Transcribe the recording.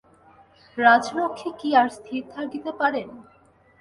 রাজলক্ষ্মী কি আর স্থির থাকিতে পারেন।